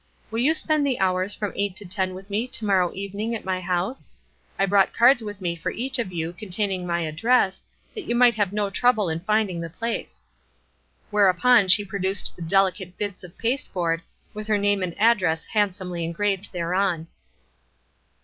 Will you spend the hours from eight to ten with me to morrow evening at my house? I brought cards with me for each of you, containing my address, that you might have no trouble in finding the place." Whereupon she produced the delicate bits of pasteboard, with her name and address handsomely engraved thereon.